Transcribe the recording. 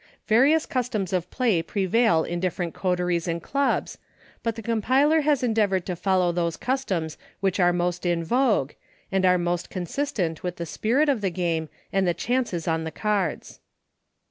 Various customs of play prevail in differ ent coteries and clubs, but the compiler has endeavored to follow those customs which are most in vogue, and are most consistent with the spirit of the game, and the chances on the cards.